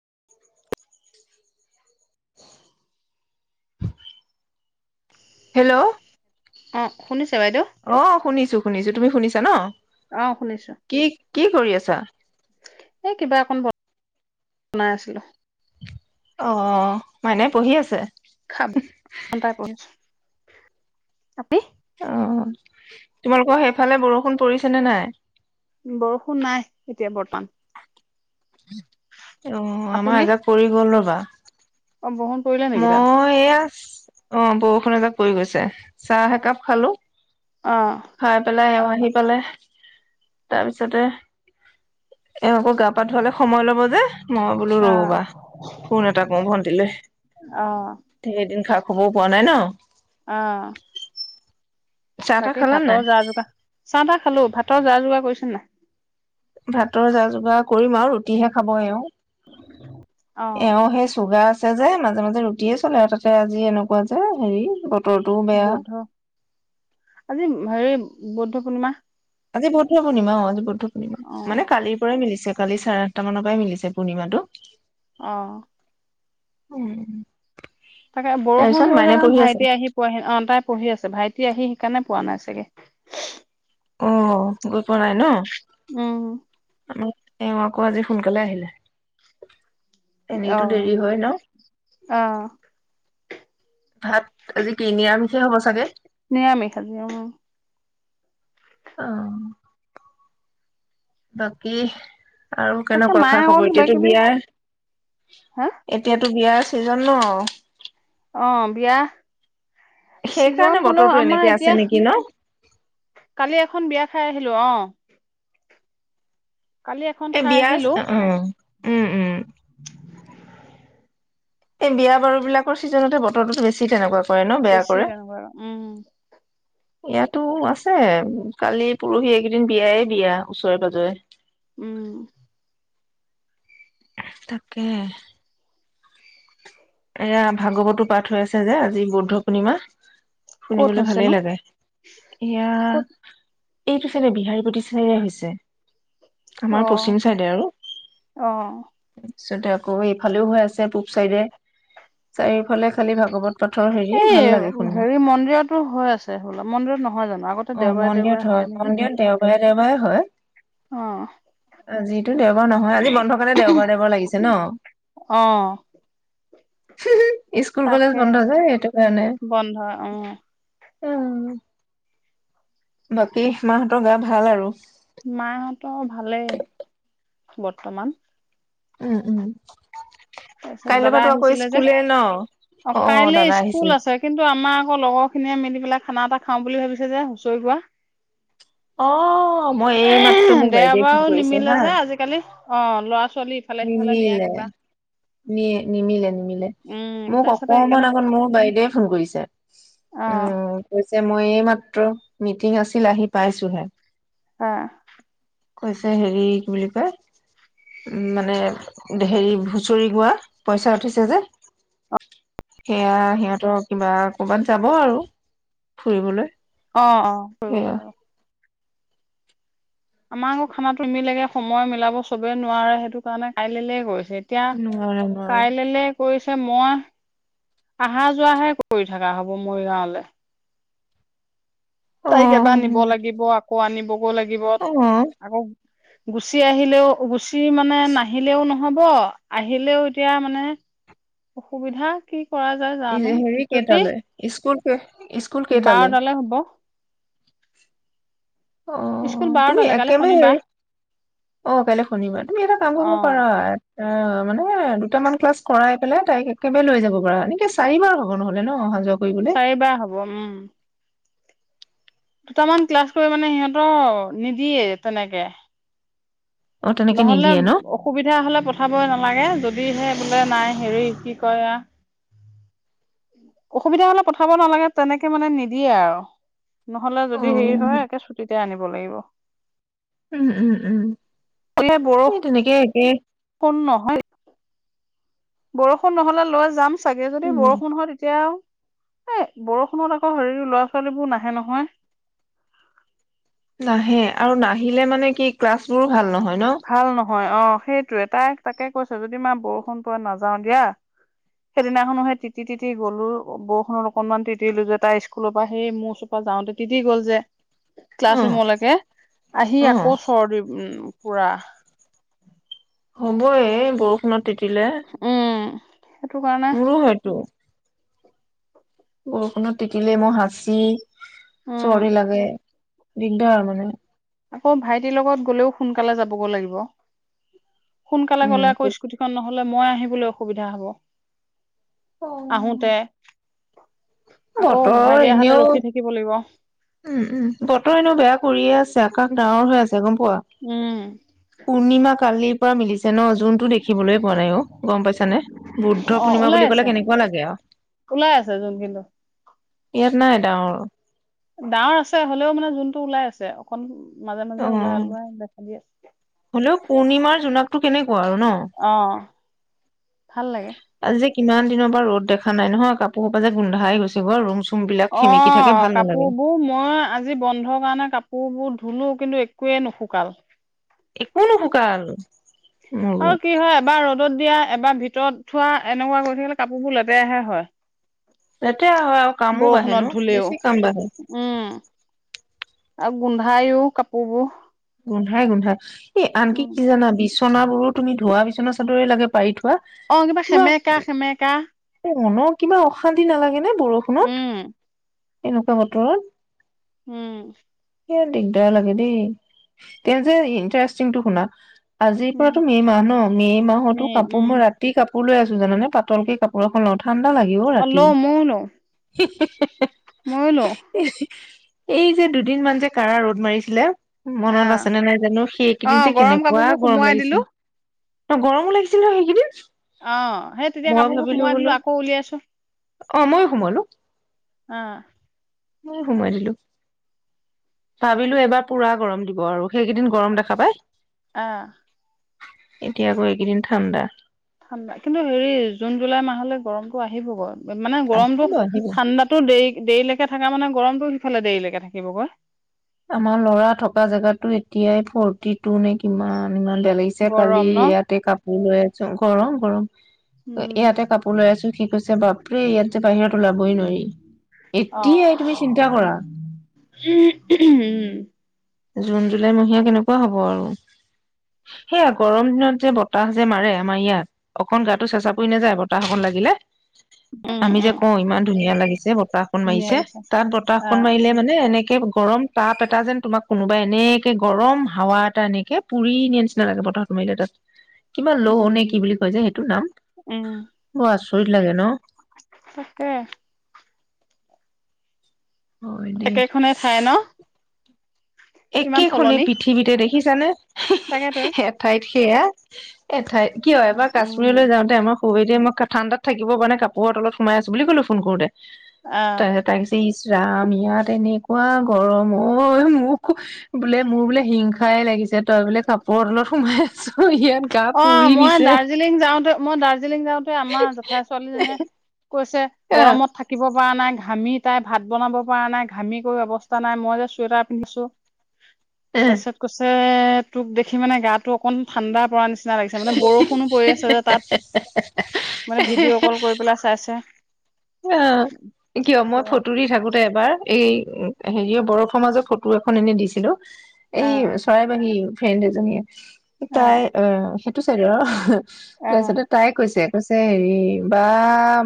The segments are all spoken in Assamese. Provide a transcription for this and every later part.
হুমচ হেল্ল' অ শুনিছো অ শুনিছো শুনিছো তুমি শুনিছা ন অহ শুনিছো কি কি কৰি আছা এ কিবা একন ব বনাই আছিলো অ মানে পঢ়ি আছে আপি অ তোমালোকৰ সেইফালে বৰষুণ পৰিছে নে নাই বৰষুণ নাই এতিয়া বৰ্তমান অ আমাৰ আপুনি এজাক পৰি গ'ল ৰ'বা অ বষুণ পৰিলে নেকি তাত মই এয়া অ বৰষুণ এজাক পৰি গৈছে চাহ এক একাপ খালো অ খাই পেলাই হয় আহি পালে তাৰপিছতে এওঁ আকৌ গা পা ধোৱালে সময় লব যে মই বোলো অ ৰবা ফোন এটা কওঁ ভন্টিলে অ সে এদিন খাব শুবও পৱা নাই ন অহ চাহ তাহ বাকী খালা ভাতৰ নাই যা যোগাৰ, চাহ তাহ খালো ভাত ত যা যোগাৰ কৰিছিল নাই ভাতৰ যা যোগাৰ কৰিম আৰু ৰাতিহে খাব এওঁ অ এওঁ সেই চুগা আছে যে মাজে মাজে ৰুটিয়ে চলে আৰু তাতে আজি এনেকুৱা যে হেৰি বতৰটোও বেয়া। বৌদ্ধ, আজি হেৰি, বৌদ্ধ পুৰৰ্ণি মা আজি বহুত বহুত শুনিম অ' আজি অ [unintelligible] মানে কালিৰ পৰাই মিলিছে। কালি চাৰে আঠটা মানৰ পৰাই মিলিছে পূৰ্ণিমাটো অহ উম তাকে বৰষুণ তাৰপিছত বৰ মাইনে কাৰণে পঢ়ি আছে ভাইটি আহি পঢি অ তাই পঢ়ি আছে ভাইটি আহি শ সেইকাৰণে পোৱা নাই চাগে অ' গই পোৱা নাই ন! উম অ' এওঁ আকৌ আজি সোনকালে আহিলে অ এনেইতো দেৰি হয়, ন? অ ভাত আজি কেইনিৰামিষে হ'ব চাগে নিয়মি খ দিয় অ বাকী আৰু তাকে কেনেকুৱা, খা মায়ে অকল খবৰ কিবা এতিয়াতো কিবি বিয়া, হা এতিয়াতো বিয়া। চিজন ন অ অ বিয়া চিজন সেইকাৰণে হলেও বতৰটো আমাৰ এনেকে আছে নেকি ন। এতিয়া কালি এখন বিয়া খাই আহিলো অ কালি এখন এ খাই বিয়া আছে, আহিলো অ' অ' উম! উম! এই, বিয়া বাৰু বিলাকৰ ছিজনতে বতৰটো বেছি তেনেকুৱা কৰে ন বেয়া কৰে বেছিডাঙ বাৰ উম ইয়াতো আছে কালি পৰহি এইকেইদিন বিয়ায় বিয়া ওচৰে পাজৰে উম তাকে! এয়া ভাগৱতো পাঠ হৈ আছে যে আজি বৌদ্ধ পূৰ্ণিমা ক'ত শুনিবলৈ ভালেই হৈছেনো লাগে এয়া ক'ত এইটো শ্ৰেণী বিহাৰী প্ৰতি শ্ৰেণীৰে হৈছে অ আমাৰ পশ্চিম চাইডে আৰু অ পাৰিছতে আকৌ এইফালেও হৈ আছে পূব চাইডে চাৰিওফালে খালি ভাগৱত পথৰ হেৰি এই ভাল লাগে শুনি হেৰি মন্দিৰতো হৈ আছে বোলা মন্দিৰত নহয় জানো আগতে অ দেওবাৰে দেওবাৰে মন্দিৰত হয় নেকি মন্দিৰত দেওবাৰে ৰমাই হয় অ আজি এইটো দেওবাৰ নহয় আজি বন্ধ কাৰণে দেওবাৰ দেওবাৰ লাগিছে ন অ স্কুল কলেজ তাকে বন্ধ যায় সেইটো কাৰণে বন্ধ অ উম বাকী মাহঁতৰ গা ভাল আৰু মাহঁতৰ ভালেই বৰ্তমান উম উম তাৰপিছত কাইলৈ দাদা পৰাতো আকৌ আহিছিলে যে স্কুলে ন অ কাইলে দাদা স্কুল আহিছিলে আছে কিন্তু আমাৰ আকৌ লগৰ খিনিয়ে মিলি পেলাই খানা এটা খাও বুলি ভাবিছে যে হুঁচৰি গোৱা অহ দেওবাৰু নিমিলে হা যে আজিকালি অ ল'ৰা ছোৱালী চলি ইফালে সিফালে নিয়া নিমিলে কিবা নি নিমিল উম ম অক তাৰপিছতে সেইকাৰণে আত মোৰ বাই ফোন কৰিছে অ উম অ এইমাত্ৰ মিটিং আছিল আহি পাইছোহে আহ কৈছে হেৰি কি বুলি কয় উ মানে হেৰি হুচৰি গোৱা পইচা উঠিছে যে সেয়া সিহঁতৰ কিবা ক'বাত যাব আৰু ফুৰিবলৈ অ অ কৰিব সেয়া লগা আমাকো খানাটো মিলেগে সময় মিলাব চবে নোৱাৰে সেইটো কাৰণে কাইলেলে কৰিছো তেতিয়া নোৱাৰে নোৱাৰে কাইললে কৱিছো মই অহা যোৱাহে কৰি থকা হ'ব মৰিগাঁৱলে অ তাইক এবাৰ নিব লাগিব আকৌ আনিব ধুব লাগিব অ আকৌ গুচি আহিলেও গুচি মানে নাহিলেও নহব আহিলেও এতিয়া মানে অসুবিধা কি কৰা যায় জানো হেৰি যদি কেইটালৈ স্কুল স্কুল কেইটালে বাৰটালৈ হ'ব অ স্কুল তুমি বাৰটালৈ কালি একেবাৰে শনিবাৰ হেৰি অ কাইলৈ শুনিবা তুমি এটা কাম অ কৰিব পাৰা অ মানে দুটামান ক্লাছ কৰাই পেলাই তাইক একেবাৰে লৈ যাব পাৰা এনেকে চাৰিবাৰ হ'ব নহলে ন অহা যোৱা কৰিবলৈ চাৰিবাৰ হব উম দুটামান ক্লাছ কৰি মানে সিহঁতৰ নিদিয়ে তেনেকে অ তেনেকে নহ'লে নিদিয়ে ন অসুবিধা হলে পথাবই নালাগে যদি দিহে বোলে নাই হেৰি কি কয় অসুবিধা হলে পথাব নালাগে তেনেকে মানে নিদিয়ে আৰু নহলে অ যদি হেৰি হয় একে ছুটি আনিব লাগিব উম উম উম এই সেই বৰষুণ তেনেকে একে নহয় বৰষুণ নহলে লৈ যাম চাগে যদি উম বৰষুণ হয় তেতিয়া এই বৰষুণত আকৌ হেৰি লৰা ছোৱালীবোৰ নাহে নহয় নাহে আৰু নাহিলে মানে কি ক্লাছ বোৰো ভাল নহয় ন ভাল ন হয় অ সেইটোয়ে তাই তাকে কৈছ যদি মা বৰষুণ পৰে নাযাও দিয়া সেইদিনাখনো সেই তিতি তিতি গলো বৰষুণত অকনমান তিতিলো যে তাই স্কুলৰ পৰা সেই মোৰ ওচৰ পৰা যাওতে তিতি গ'ল যে অ ক্লাছ ৰুমলৈকে আহি অ আকৌ চৰ্দি উ কুৰা হ'ব এ বৰষুণত তিতিলে উম সেইটো কাৰণে মোৰো হয়তো বৰষুণত তিতিলেই মোৰ হাঁচি উম চৰ্দি লাগে দিগদাৰ মানে আকৌ ভাইটিৰ লগত গ'লেও সোনকালে যাবগ লাগিব সোনকালে উম গ'লে আকৌ স্কুটিখন ন নহলে মই আহিবলৈ অসুবিধা হব আহোঁতে বতৰৰ এনেও ৰখি থাকিব লাগিব উম উম বতৰ এনেও বেয়া কৰিয়ে আছে আকাশ ডাৱৰ হৈ আছে গম পোৱা উম পূৰ্ণিমা কালি মিলিছে ন জোনটো দেখিবলৈ পোৱা নাই অ গম পাইছানে বুদ্ধ অ পূৰ্ণিমা ওলাই বুলি ক'লে আছে কেনেকুৱা লাগে আৰু ওলাই আছে জোন কিন্তু ইয়াত নাই ডাঙৰ ডাৱৰ আছে হ'লেও মানে জোনটো ওলাই আছে অকন মাজে অ মাজে ওলাই [unintelligible] কেনে আৰু ন অ ভাল লাগে আজি ইমান দিনৰ পৰা ৰ'দ দেখা নাই নহয় কাপোৰ কাপ যে গোন্ধাই গৈছে গৈ ৰুম চুম বিলাক অ সেমেকি থাকে ভাল নালাগে কাপোৰ বোৰ মই আজি বন্ধ কাৰণে কাপোৰ বোৰ ধুলো কিন্তু একোৱে নুশুকাল একো নুশুকাল অ মোৰো কি হয় এবাৰ ৰ'দত দিয়া এবাৰ ভিতৰত থোৱা এনেকোৱা কৰি থাকাকিলে কাপোৰবোৰ লেতেৰাহে হয় তাত তেয়া হয় আৰু কামো বাঢ়ে বৰষুণত ন ধুলেও বেছি কাম বাঢ়ে উম আৰু গোন্ধাইও কাপোৰ বোৰ গোন্ধাই গোন্ধাই এ আনকি কি জানা বিচনবোৰো তুমি ধোৱা বিচনা চাদৰে লাগে পাৰি থোৱা অ কিবা সেমেকা সেমেকা অ মনৰ কিবা অশান্তি নালাগে নে বৰষুণত উম এনেকোৱা বতৰত উম সে দিগদাৰ লাগে দেই তে যে ইণ্টাৰেষ্টিংটো শুনা আজিৰ উম পৰাতো মে মাহ ন মে' মাহতো কাপোৰ মই ৰাতি কাপোৰ কাপোৰ লৈ আছো জাননে পাতলকে কাপো বৰষুণত ঠাণ্ডা লাগিব অ ৰাতি লওঁ ময়ো লওঁ ময়ো লওঁ এই যে দুদিন মান যে কাৰা ৰ'দ মাৰিছিলে মনত আহ আছেনে নাই জানো অ সেইকেইদিন যে গৰম কেনেকোৱা কাপোৰবোৰ গৰম সুমোৱাই দিলো লাগিছিল তো গৰমো লাগিছিল ন সেইকেইদিন অ সেই তেতিয়া মই কাপোৰবোৰ ভাবিলো সোমাৱাই বোলো দিলো আকৌ উলিয়াইছো অ মই সোমলো আহ মই সোমাই দিলো ভাৱিলো এবাৰ পুৰা গৰম দিব গ সেইকেইদিন গৰম দেখা পাই আহ এতিয়া আকৌ এইকেইদিন ঠাণ্ডা ঠাণ্ডা কিন্তু হেৰি জুন জুলাই মাহলৈ গৰমতো আহিবগৈ মানে গৰমতো আহিব আহিব ঠাণ্ডাতো দেৰি দেৰিলৈকে থকা মানে গৰমতো সিফালে দেৰিলৈকে থাকিবগৈ আমাৰ লৰা থকা জেগাতো এতিয়াই ফৰ্টি টু নে কিমান ইমান বেয়া লাগিছে কালি গৰম ন ইয়াতে কাপোৰ লৈ আছো গৰম গৰম উম ইয়াতে কাপোৰ লৈ আছো সি কৈছে বাপৰে ইয়াত যে বাহিৰত ওলাবই নোৱাৰি অ এতিয়াই তুমি চিন্তা কৰা উম জুন জুলাই মহীয়া কেনেকোৱা হব আৰু সেয়া গৰম দিনত যে বতাহ যে মাৰে আমাৰ ইয়াত অকন গাটো চেচা পৰি নাযায় বতাহ অকণ লাগিলে উম আমি যে উম কও ইমান ধুনীয়া লাগিছে বতাহখন ধুনীয়া মাৰিছে লাগিছে তাত অ বতাহখন মাৰিলে মানে এনেকে গৰম তাপ এটা যেন তোমাক কোনোবাই এনেকে গৰম হাৱা এটা এনেকে পুৰি নিয়া নিচিনা লাগে পথাাৰত মাৰিলে তাত কিমান ল ন কি উম বুলি কৈ যে সেইটো নাম উম বৰ আচৰিত লাগে ন তাকে হয় একেখনে ঠাই ন কিমান একেখনে সলনি পৃথিৱীতে কি তাকেতো এঠাইত সেয়া এঠাইত কিয় এবাৰ উম কাশ্মীৰলৈ যাওঁতে আমাৰ হ' এতিয়া মই ঠাণ্ডাত থাকিব মানে কাপোৰৰ তলত সোমাই আছো বুলি কলো ফোন কৰোতে আহ ত তাক ইচ ৰাম ইয়াত তেনেকুৱা গৰম ঐ ম খুব বোলে মোৰ বোলে হিংসাই লাগিছে তই বোলে কাপোৰৰ তলত সোমাই আছ ইয়াত গা অ পুৰি মই নিছে দাৰ্জিলিং যাওঁতে মই দাৰ্জিলিং যাওঁতে আমাৰ জেঠাই ছোৱালী জনীয়ে কৈছে অ' গৰমত থাকিব নাই ঘামি তাই ভাত বনাব পৰা নাই ঘামি ক অৱস্থা নাই মই যে চুৱেটাৰ পিন্ধিছো তাৰ পিছত কৈছে উ তোক দেখি মানে গাটো অকণ ঠাণ্ডা পৰা নিচিনা নিচিনা লাগিছে মানে বৰষুণো পৰি আছে যে তাত মানে ভিডিঅ' কল কৰি পেলাই চাইছে অ কিয় মই অ ফটো দি থাকো ত এবাৰ এই হেৰি অ বৰফ মাজত ফটো এখন এনে দিছিলো এই চৰাইবাহী ফ্ৰেণ্ড এজনীয়ে অ তাই ই টো চাইডৰ অ তাৰপিছত তাইে কৈছে কৈছে হেৰি বা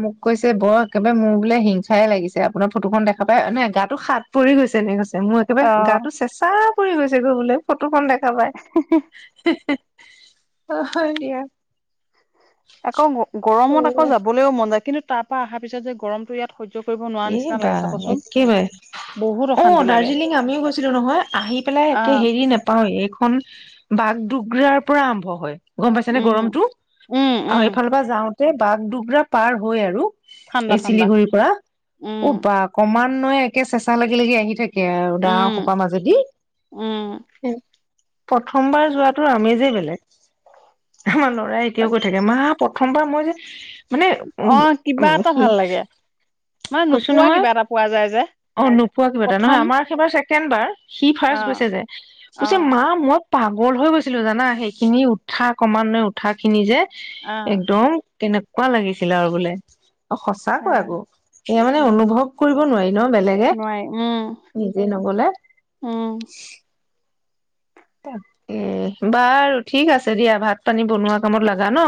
মোক কৈছে বৰ একেবাৰে মোৰ বোলে হিংসাই লাগিছে আপোনাৰ ফটোখন দেখা পাই নে গাটো সাত পৰি গৈছে এনেকৈ মোৰ অ একেবাৰে গাটো চেচাঁ ফুৰি গৈছে গলে ফটোখন দেখে হি হি হি অ হয় দিয়া। আকৌ গৰমত আকৌ যাবলৈও মন যায় কিন্তু। তাৰ পৰা অহা পিছত যে গৰমটো ইয়াত সহ্য কৰিব নোৱাৰা নিচিনা লাগে এইবাৰ চাবচোন একেবাৰে। বহুত অশান্তি অ লাগে দাৰ্জিলিং আমিও গৈছিলো নহয় আহি পেলাই অ একে হেৰি নেপাওৱে এইখন বাঘ দ্ৰুগাৰ পৰা আৰম্ভ হয়। গম পাইছে নে উম গৰমতটো উম উম আৰু সেইফালৰ পৰা যাওঁ। এই বাঘ দ্ৰুগা পাৰ হৈ আৰু ঠাণ্ডা এই ঠাণ্ডা চিলিগুৰিৰ পৰা। উম উ বা কম। ইমান নয় একে চেঁচা লাগি - লাগি আহি থাকে। সেয়ায় আৰু ডাৱৰ উম সোপাৰ মাজেদি। উম প্ৰথমবাৰ যোৱাটো আমেজেই বেলেগ। আমাৰ ল'ৰাই এতিয়াও তাক কৈ থাকে মা প্ৰথমবাৰ মই যে। মানে অ উম- কিবা উম এটা সি। ভাল লাগে মানে কৈছো নোপোৱা নহয় কিবা এটা পোৱা যায় যে অ নোপোৱা কিবা এটা নহয় প্ৰথম আমাৰ সেইবাৰ। ছেকেণ্ড বাৰ। সি অ ফাৰ্ষ্ট গৈছে যে অ কৈছে, মা মই পাগল হৈ গৈছিলো জানা সেইখিনি উঠা ক্ৰমান্বয় উঠা খিনি যে। অ একদম। কেনেকুৱা লাগিছিলে আৰু বোলে। অ সঁচাকৈ আকৌ। সেয়া মানে উম অনুভৱ কৰিব নোৱাৰি ন বেলেগে, নোৱাৰি উম নিজে নগলে। উম এ বাৰু ঠিক আছে দিয়া ভাত পানী বনোৱা কামত লগা ন?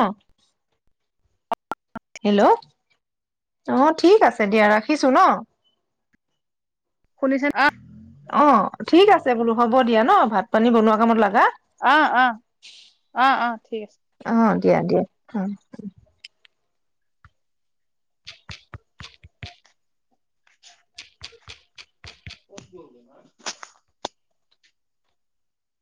হেল্ল', অ ঠিক আছে দিয়া ৰাখিছো ন? শুনেছে আ। অ ঠিক আছে বোলো হ'ব দিয়া ন? ভাত পানী বনোৱা কামত লগা। অহ অ -অ - অ ঠিক আছে। অ দিয়া দিয়া অ। কত ব ম?